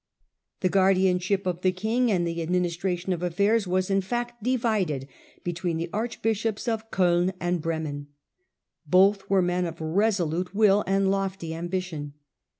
The guardianship of the king and the administration of affairs was, in fact, divided between the archbishopb of C5ln and Bremen. Both were men of resolute will and lofty ambition.